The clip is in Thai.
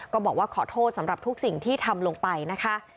ก็บอกว่าขอโทษสำหรับทุกสิ่งที่ทำลงไปนะคะ